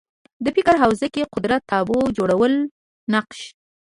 د فکر حوزه کې قدرت تابو جوړولو نقش